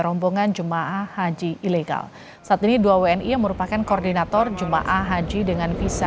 rombongan jemaah haji ilegal saat ini dua wni yang merupakan koordinator jemaah haji dengan visa